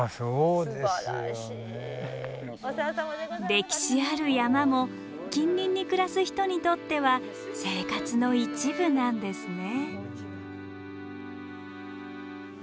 歴史ある山も近隣に暮らす人にとっては生活の一部なんですね。